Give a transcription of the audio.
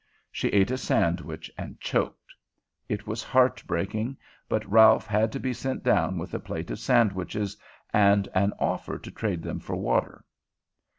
She ate a sandwich and choked. It was heartbreaking, but Ralph had to be sent down with a plate of sandwiches and an offer to trade them for water.